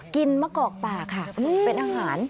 มะกอกป่าค่ะเป็นอาหาร